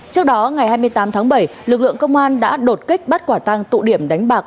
trước đó ngày hai mươi tám tháng bảy lực lượng công an đã đột kích bắt quả tăng tụ điểm đánh bạc